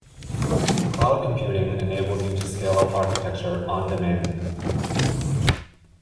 Cloud computing enables you to scale up architecture on-demand.